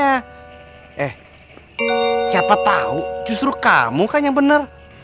eh siapa tau justru kamu kan yang bener